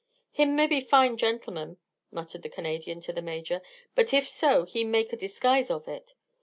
"Him mebbe fine gentleman," muttered the Canadian to the Major; "but if so he make a disguise of it.